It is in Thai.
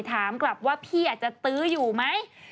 ถามกลับว่าพี่อาจจะตื้ออยู่ไหม